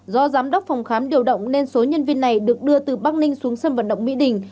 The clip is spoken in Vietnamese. do giám đốc phòng khám điều động nên số nhân viên này được đưa từ bắc ninh xuống sân vận động mỹ đình